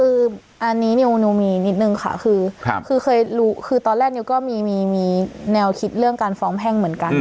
คืออันนี้นิวมีนิดนึงค่ะคือเคยรู้คือตอนแรกนิวก็มีแนวคิดเรื่องการฟ้องแพ่งเหมือนกัน